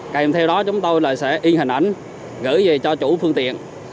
cảm theo đó chúng tôi sẽ in hình ảnh gửi về cho chủ phương tiện